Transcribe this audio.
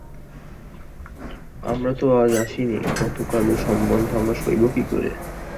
আমরা তো আজ আসি নি, কতকালের সম্বন্ধ, আমরা সইব কী করে?